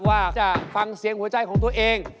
ว่าจะฟังเสียงหัวใจของตัวเอง